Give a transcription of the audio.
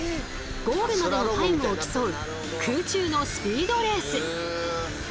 ゴールまでのタイムを競う空中のスピードレース。